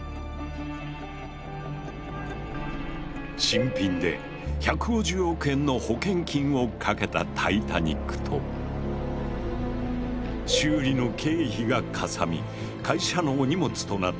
新品で１５０億円の保険金をかけたタイタニックと修理の経費がかさみ会社のお荷物となったオリンピック。